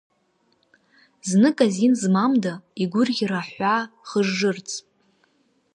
Знык азин змамда, игәырӷьара аҳәаа хыжжырц?!